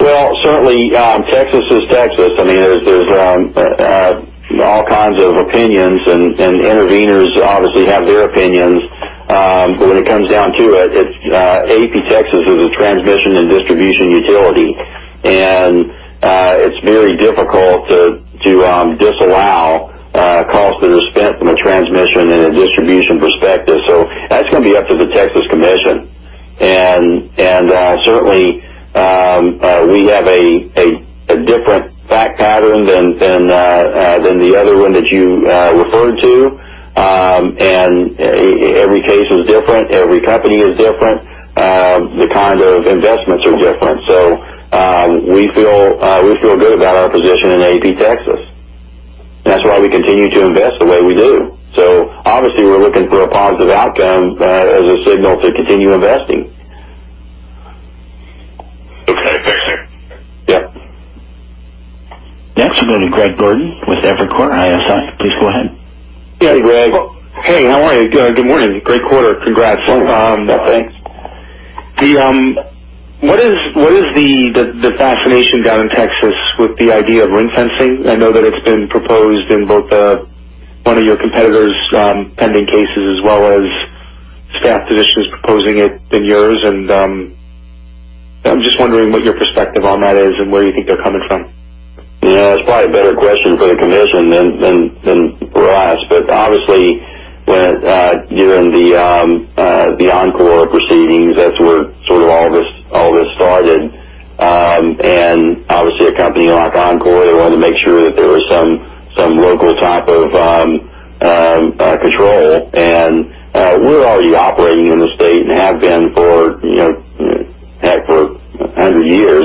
Well, certainly Texas is Texas. There's all kinds of opinions, and interveners obviously have their opinions. When it comes down to it, AEP Texas is a transmission and distribution utility, and it's very difficult to disallow costs that are spent from a transmission and a distribution perspective. That's going to be up to the Texas Commission. Certainly, we have a different fact pattern than the other one that you referred to. Every case is different, every company is different, the kind of investments are different. We feel good about our position in AEP Texas, and that's why we continue to invest the way we do. Obviously we're looking for a positive outcome as a signal to continue investing. Okay. Thanks, sir. Yeah. Next, we'll go to Greg Gordon with Evercore ISI. Please go ahead. Hey, Greg. Hey, how are you? Good morning. Great quarter. Congrats. Oh. Thanks. What is the fascination down in Texas with the idea of ring fencing? I know that it's been proposed in both one of your competitors' pending cases as well as staff positions proposing it than yours. I'm just wondering what your perspective on that is and where you think they're coming from. Y eah. That's probably a better question for the commission than for us. Obviously, during the Oncor proceedings, that's where sort of all this started. Obviously a company like Oncor, they wanted to make sure that there was some local type of control. We're already operating in the state and have been, heck, for 100 years.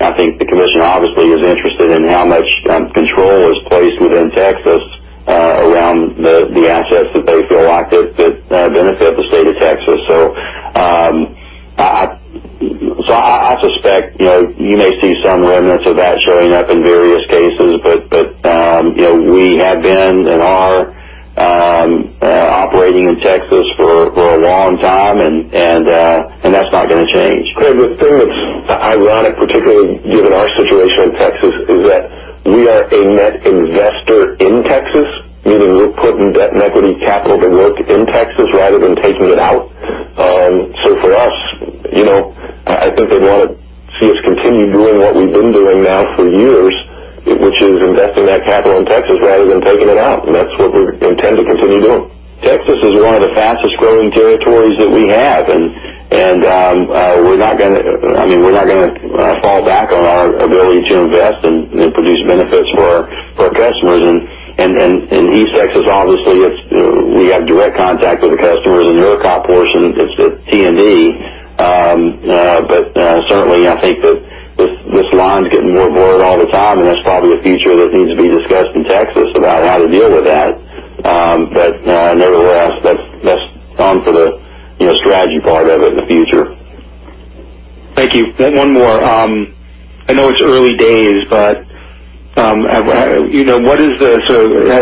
I think the commission obviously is interested in how much control is placed within Texas around the assets that they feel like benefit the state of Texas. I suspect you may see some remnants of that showing up in various cases. We have been and are operating in Texas for a long time, and that's not going to change. Greg, the thing that's ironic, particularly given our situation in Texas, is that we are a net investor in Texas, meaning we're putting debt and equity capital to work in Texas rather than taking it out. For us, I think they want to see us continue doing what we've been doing now for years, which is investing that capital in Texas rather than taking it out. That's what we intend to continue doing. Texas is one of the fastest-growing territories that we have, and we're not going to fall back on our ability to invest and produce benefits for our customers. In AEP Texas, obviously, we have direct contact with the customers. In your opco portion, it's T&D. Certainly, I think that this line's getting more blurred all the time, and that's probably a feature that needs to be discussed in Texas about how to deal with that. Nevertheless, that's for the strategy part of it in the future. Thank you. One more. I know it's early days, but has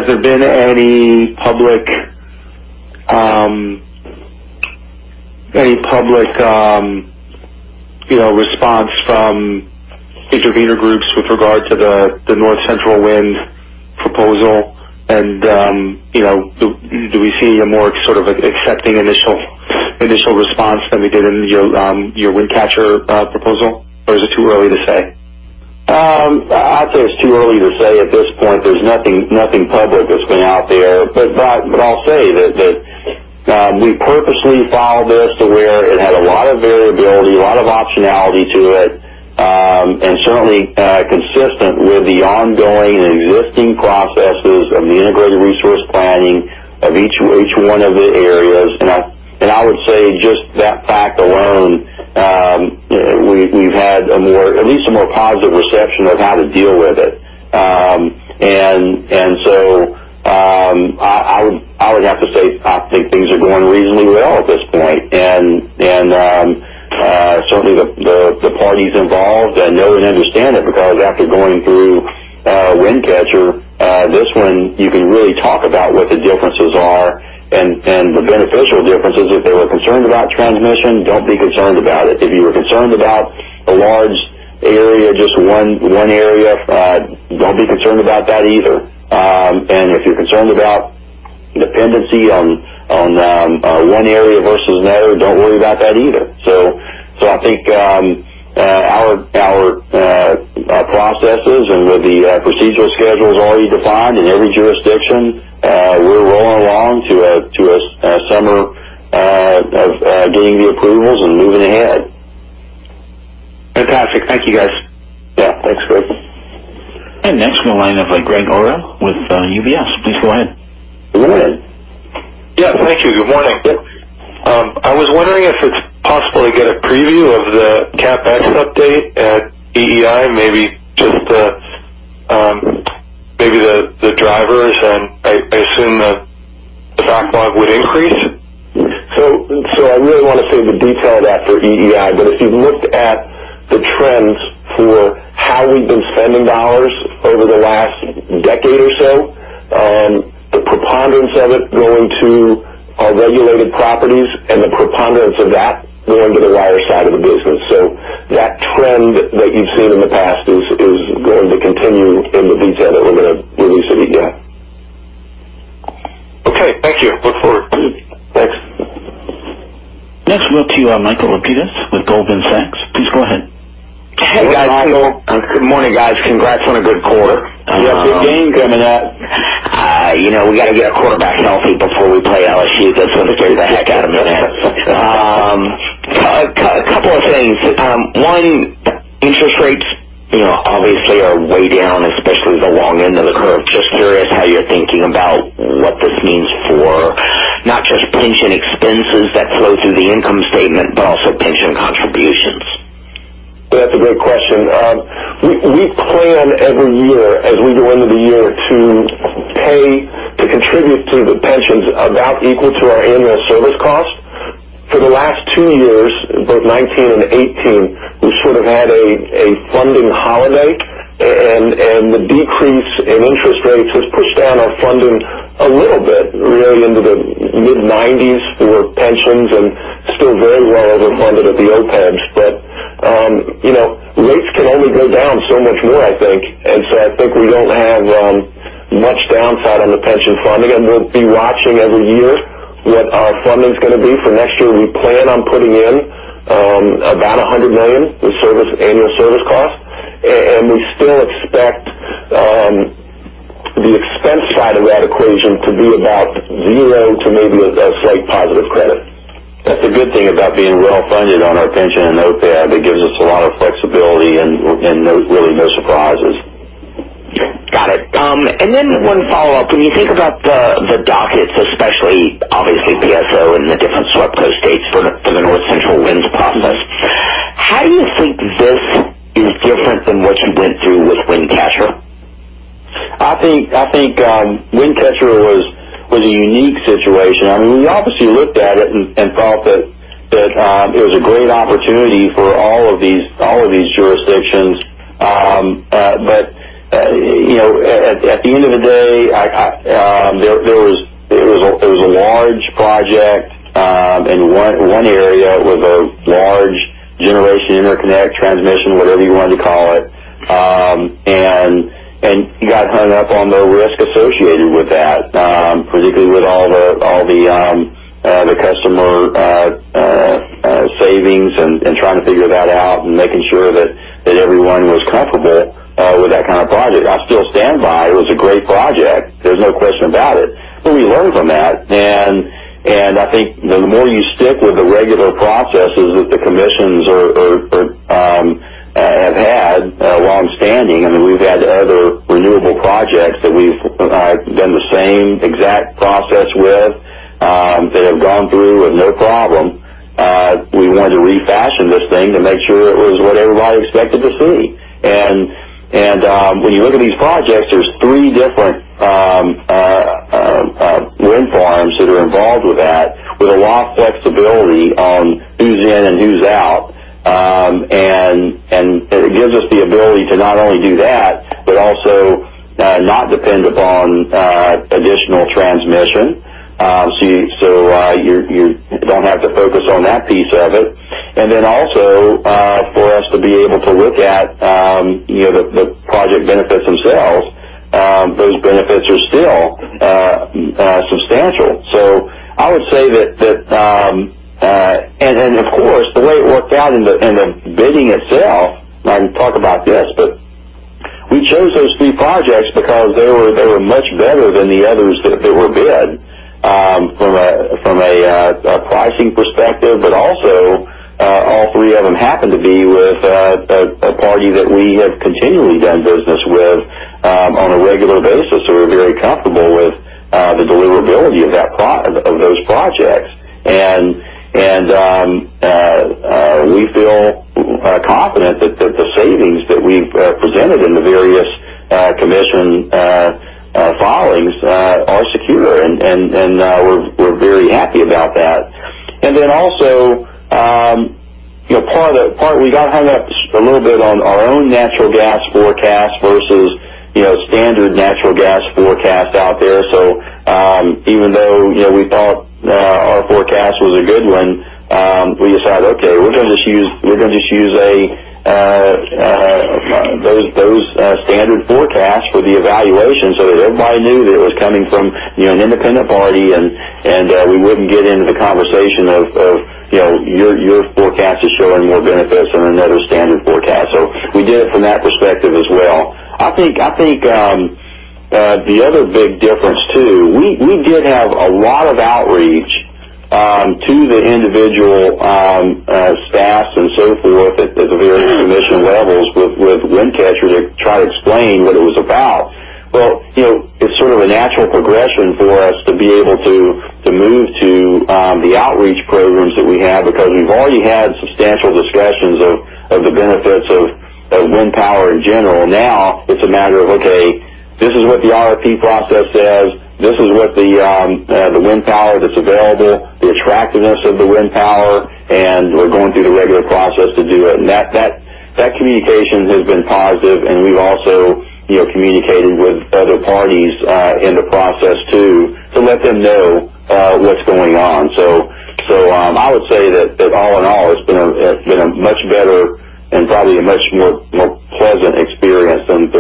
there been any public response from intervener groups with regard to the North Central Wind proposal? Do we see a more accepting initial response than we did in your Wind Catcher proposal? Is it too early to say? I'd say it's too early to say at this point. There's nothing public that's been out there. I'll say that we purposely filed this to where it had a lot of variability, a lot of optionality to it, and certainly consistent with the ongoing and existing processes of the integrated resource planning of each one of the areas. I would say just that fact alone, we've had at least a more positive reception of how to deal with it. I would have to say, I think things are going reasonably well at this point. Certainly the parties involved know and understand it because after going through Wind Catcher, this one you can really talk about what the differences are and the beneficial differences. If they were concerned about transmission, don't be concerned about it. If you were concerned about a large area, just one area, don't be concerned about that either. If you're concerned about dependency on one area versus another, don't worry about that either. I think our processes and with the procedural schedules already defined in every jurisdiction, we're rolling along to a summer of getting the approvals and moving ahead. Fantastic. Thank you, guys. Yeah, thanks, Craig. Next we have the line of Gregg Orrill with UBS. Please go ahead. Yeah, thank you. Good morning. I was wondering if it's possible to get a preview of the CapEx update at EEI, maybe just the drivers, and I assume the backlog would increase? I really want to save the detail of that for EEI. If you've looked at the trends for how we've been spending dollars over the last decade or so, the preponderance of it going to our regulated properties and the preponderance of that going to the wire side of the business. That trend that you've seen in the past is going to continue in the detail that we're going to release at EEI. Okay. Thank you. Look forward to it. Thanks. Next we have Michael Lapides with Goldman Sachs. Please go ahead. Hey, Michael. Good morning, guys. Congrats on a good quarter. We have a big game coming up. We got to get our quarterback healthy before we play LSU. That's going to scare the heck out of them then. A couple of things. One, interest rates obviously are way down, especially the long end of the curve. Just curious how you're thinking about what this means for not just pension expenses that flow through the income statement, but also pension contributions. That's a great question. We plan every year as we go into the year to contribute to the pensions about equal to our annual service cost. For the last two years, both 2019 and 2018, we sort of had a funding holiday. The decrease in interest rates has pushed down our funding a little bit, really into the mid-90s for pensions, and still very well over-funded at the OPEBs. Rates can only go down so much more, I think. I think we don't have much downside on the pension funding, and we'll be watching every year what our funding's going to be. For next year, we plan on putting in about $100 million with annual service cost. We still expect the expense side of that equation to be about zero to maybe a slight positive credit. That's the good thing about being well-funded on our pension and OPEB. It gives us a lot of flexibility and really no surprises. Got it. One follow-up. When you think about the dockets, especially obviously PSO and the different SWEPCO states for the North Central Wind process, how do you think this is different than what you went through with Wind Catcher? I think Wind Catcher was a unique situation. We obviously looked at it and thought that it was a great opportunity for all of these jurisdictions. At the end of the day, it was a large project in one area with a large generation interconnect, transmission, whatever you wanted to call it. You got hung up on the risk associated with that, particularly with all the customer savings and trying to figure that out and making sure that everyone was comfortable with that kind of project. I still stand by it was a great project. There's no question about it. We learned from that. I think the more you stick with the regular processes that the commissions have had longstanding, we've had other renewable projects that we've done the same exact process with that have gone through with no problem. We wanted to refashion this thing to make sure it was what everybody expected to see. When you look at these projects, there's three different wind farms that are involved with that, with a lot of flexibility on who's in and who's out. It gives us the ability to not only do that, but also not depend upon additional transmission. You don't have to focus on that piece of it. Also for us to be able to look at the project benefits themselves, those benefits are still substantial. I would say that, and of course, the way it worked out in the bidding itself, I can talk about this, but we chose those three projects because they were much better than the others that were bid from a pricing perspective, but also all three of them happened to be with a party that we have continually done business with on a regular basis, so we're very comfortable with the deliverability of those projects. We feel confident that the savings that we've presented in the various commission filings are secure, and we're very happy about that. Also, we got hung up a little bit on our own natural gas forecast versus standard natural gas forecast out there. Even though we thought our forecast was a good one, we decided, okay, we're going to just use those standard forecasts for the evaluation so that everybody knew that it was coming from an independent party, and we wouldn't get into the conversation of your forecast is showing more benefits than another standard forecast. We did it from that perspective as well. I think the other big difference, too, we did have a lot of outreach to the individual staffs and so forth at the various commission levels with Wind Catcher to try to explain what it was about. It's sort of a natural progression for us to be able to move to the outreach programs that we have because we've already had substantial discussions of the benefits of wind power in general. Now it's a matter of, okay, this is what the RFP process says, this is what the wind power that's available, the attractiveness of the wind power, and we're going through the regular process to do it. That communication has been positive, and we've also communicated with other parties in the process, too, to let them know what's going on. I would say that all in all, it's been a much better and probably a much more pleasant experience than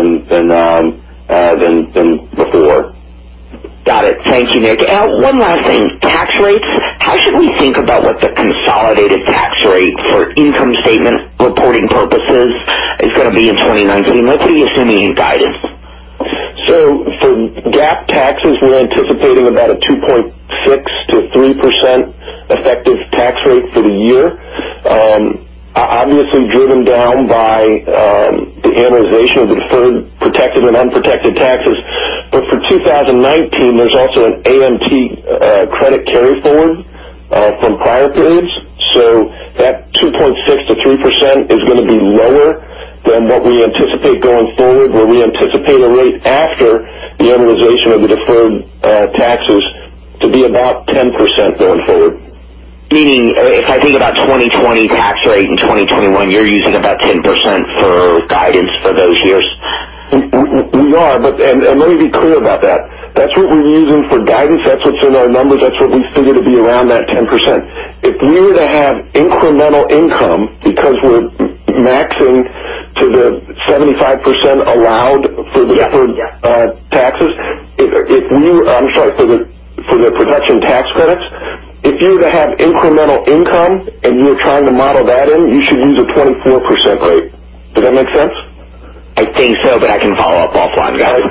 before. Got it. Thank you, Nick. One last thing, tax rates. How should we think about what the consolidated tax rate for income statement reporting purposes is going to be in 2019? What are you assuming in guidance? For GAAP taxes, we're anticipating about a 2.6%-3% effective tax rate for the year. Obviously driven down by the amortization of the deferred protected and unprotected taxes. For 2019, there's also an AMT credit carry-forward from prior periods. That 2.6%-3% is going to be lower than what we anticipate going forward, where we anticipate a rate after the amortization of the deferred taxes to be about 10% going forward. Meaning if I think about 2020 tax rate and 2021, you're using about 10% for guidance for those years? We are, and let me be clear about that. That's what we're using for guidance. That's what's in our numbers. That's what we figure to be around that 10%. If we were to have incremental income because we're maxing to the 75% allowed for the- Yeah. taxes. I'm sorry, for the production tax credits. If you were to have incremental income and you were trying to model that in, you should use a 24% rate. Does that make sense? I think so, but I can follow up offline. Got it.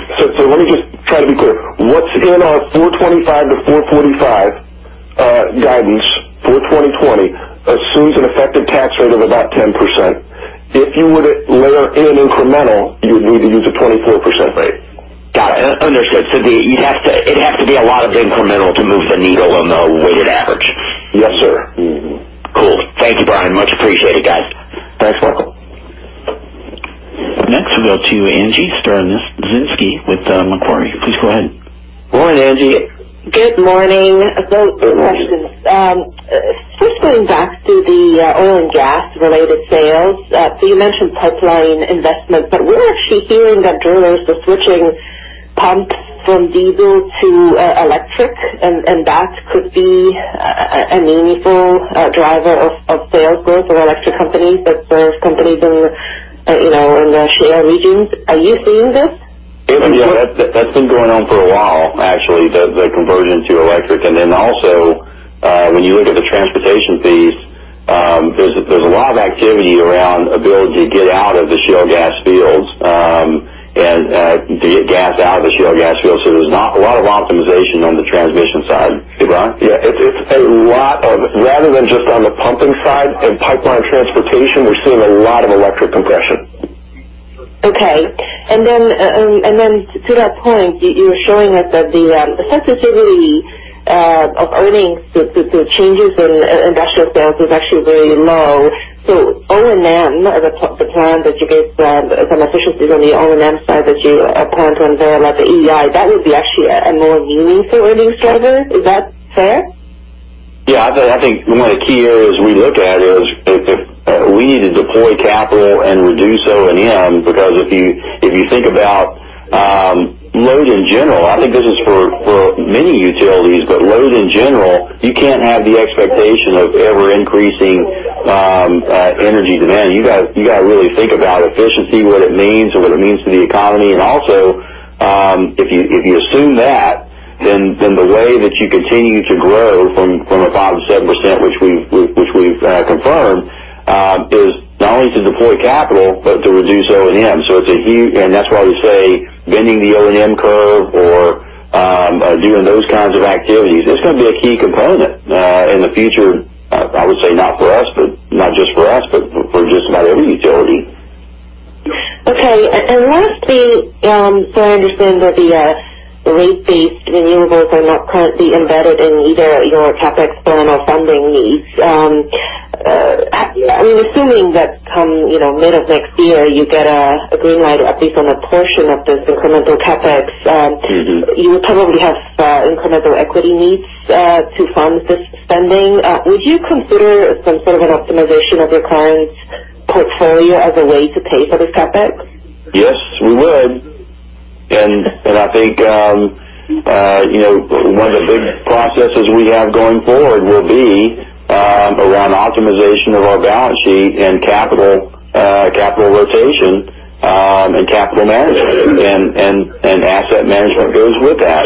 Let me just try to be clear. What's in our $425-$445 guidance for 2020 assumes an effective tax rate of about 10%. If you were to layer in incremental, you would need to use a 24% rate. Got it. Understood. It'd have to be a lot of incremental to move the needle on the weighted average. Yes, sir. Mm-hmm. Cool. Thank you, Brian, and much appreciated, guys. Next, we'll go to Angie Storozynski with Macquarie. Please go ahead. Morning, Angie. Good morning. Two questions. Just going back to the oil and gas-related sales. You mentioned pipeline investments. We're actually hearing that drillers are switching pumps from diesel to electric, and that could be a meaningful driver of sales growth of electric companies for companies in the shale regions. Are you seeing this? Yeah, that's been going on for a while, actually, the conversion to electric. Also when you look at the transportation piece, there's a lot of activity around ability to get out of the shale gas fields and get gas out of the shale gas fields. There's a lot of optimization on the transmission side. Hey, Brian? Yeah. Rather than just on the pumping side, in pipeline transportation, we're seeing a lot of electric compression. Okay. To that point, you were showing us that the sensitivity of earnings, the changes in industrial sales was actually very low. O&M, the plan that you gave some efficiencies on the O&M side that you plan to unveil at the EEI, that would be actually a more meaningful earnings driver. Is that fair? Yeah, I think one of the key areas we look at is if we need to deploy capital and reduce O&M, because if you think about load in general, I think this is for many utilities, but load in general, you can't have the expectation of ever-increasing energy demand. You got to really think about efficiency, what it means or what it means to the economy. If you assume that, then the way that you continue to grow from a 5%-7%, which we've confirmed, is not only to deploy capital but to reduce O&M. That's why we say bending the O&M curve or doing those kinds of activities, it's going to be a key component in the future, I would say not just for us, but for just about every utility. Lastly, I understand that the rate-based renewables are not currently embedded in either your CapEx plan or funding needs. I'm assuming that come mid of next year, you get a green light, at least on a portion of this incremental CapEx. You would probably have incremental equity needs to fund this spending. Would you consider some sort of an optimization of your current portfolio as a way to pay for this CapEx? Yes, we would. I think one of the big processes we have going forward will be around optimization of our balance sheet and capital rotation and capital management, and asset management goes with that.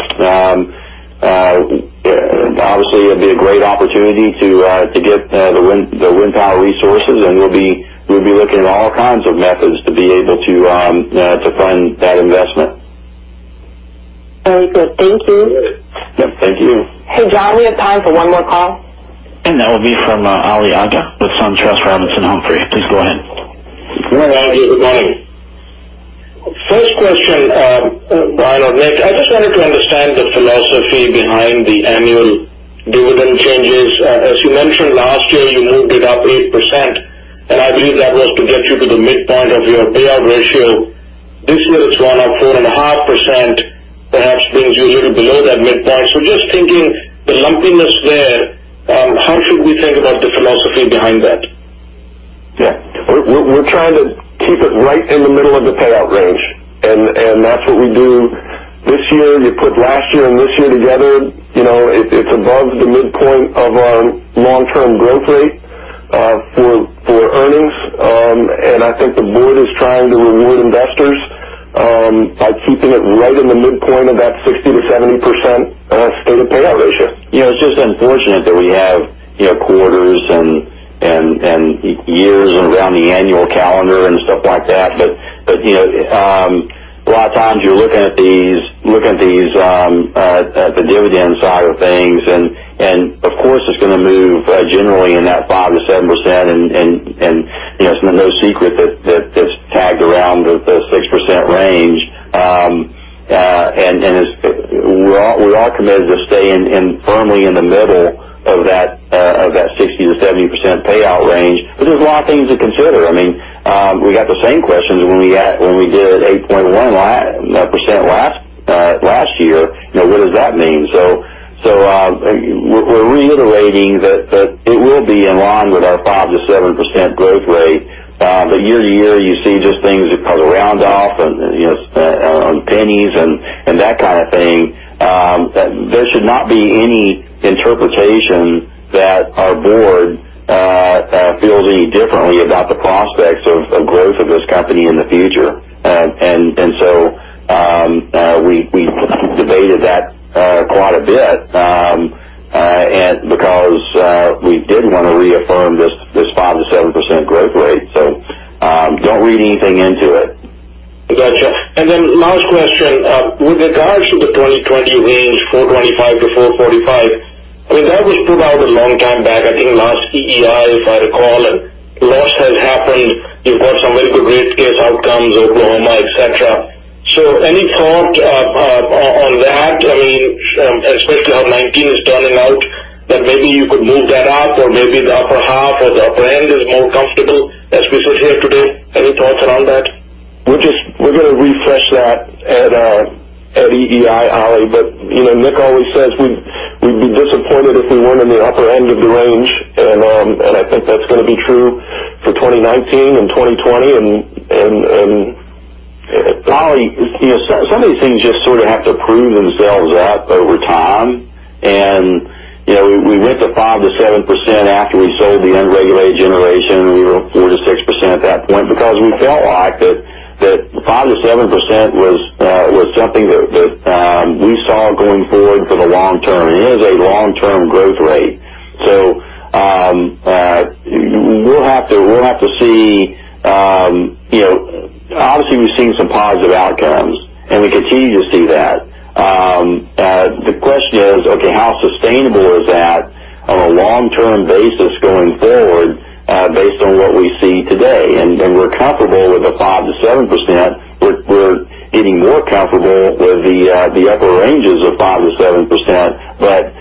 Obviously, it'd be a great opportunity to get the wind power resources, and we'll be looking at all kinds of methods to be able to fund that investment. Very good. Thank you. Yep, thank you. Hey, John, we have time for one more call. That will be from Ali Agha with SunTrust Robinson Humphrey. Please go ahead. Morning, Ali. Good morning. First question, Brian or Nick, I just wanted to understand the philosophy behind the annual dividend changes. As you mentioned, last year you moved it up 8%, and I believe that was to get you to the midpoint of your payout ratio. This year it's gone up 4.5%, perhaps brings you a little below that midpoint. Just thinking the lumpiness there, how should we think about the philosophy behind that? Yeah. We're trying to keep it right in the middle of the payout range. That's what we do this year. You put last year and this year together, it's above the midpoint of our long-term growth rate for earnings. I think the board is trying to reward investors by keeping it right in the midpoint of that 60%-70% stated payout ratio. It's just unfortunate that we have quarters and years around the annual calendar and stuff like that. A lot of times you're looking at the dividend side of things, and of course, it's going to move generally in that 5%-7%, and it's no secret that it's tagged around the 6% range. We're all committed to staying firmly in the middle of that 60%-70% payout range. There's a lot of things to consider. We got the same questions when we did 8.1% last year. What does that mean? We're reiterating that it will be in line with our 5%-7% growth rate. Year to year, you see just things because of round off and pennies and that kind of thing. There should not be any interpretation that our board feels any differently about the prospects of growth of this company in the future. We debated that quite a bit because we did want to reaffirm this 5%-7% growth rate. Don't read anything into it. Gotcha. Last question. With regards to the 2020 range, $425-$445, that was put out a long time back, I think last EEI, if I recall. A lot has happened. You've got some very good rate scales, or maybe the upper half or the upper end is more comfortable as we sit here today. Any thoughts around that? We're going to refresh that at EEI, Ali. Nick always says we'd be disappointed if we weren't in the upper end of the range, and I think that's going to be true for 2019 and 2020. Ali, some of these things just sort of have to prove themselves out over time. We went to 5%-7% after we sold the unregulated generation. We were 4%-6% at that point because we felt like that 5%-7% was something that we saw going forward for the long term, and it is a long-term growth rate. We'll have to see. Obviously, we've seen some positive outcomes, and we continue to see that. The question is, okay, how sustainable is that on a long-term basis going forward based on what we see today? We're comfortable with the 5%-7%. We're getting more comfortable with the upper ranges of 5%-7%.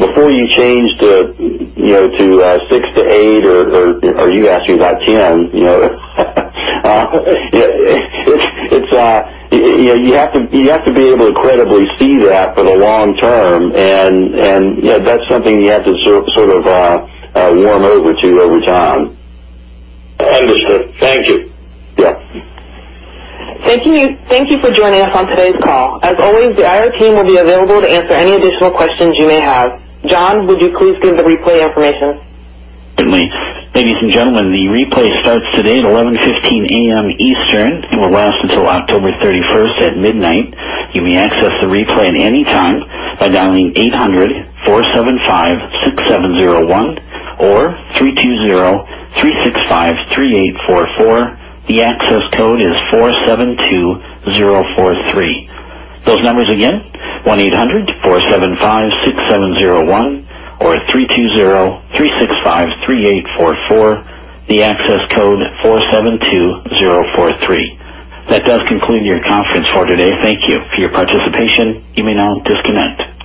Before you change to 6%-8%, or you asking about 10%, you have to be able to credibly see that for the long term, and that's something you have to sort of warm over to over time. Understood. Thank you. Yeah. Thank you for joining us on today's call. As always, the IR team will be available to answer any additional questions you may have. John, would you please give the replay information? Certainly. Ladies and gentlemen, the replay starts today at 11:15 A.M. Eastern and will last until October 31st at midnight. You may access the replay at any time by dialing 800-475-6701 or 320-365-3844. The access code is 472043. Those numbers again, 1-800-475-6701 or 320-365-3844. The access code 472043. That does conclude your conference for today. Thank you for your participation. You may now disconnect.